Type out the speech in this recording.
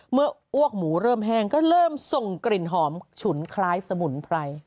เมื่ออ้วกหมูเริ่มแห้งก็เริ่มส่งกลิ่นหอมฉุนคล้ายสมุนไพร